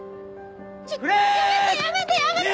やめてやめてやめて！